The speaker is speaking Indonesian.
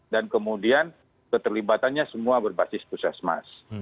dan kemudian keterlibatannya semua berbasis pusat smas